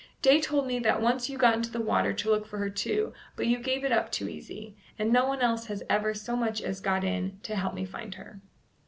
Day told me that once you got into the water to look for her too, but you gave it up too easy, and no one else has ever so much as got in to help me find her."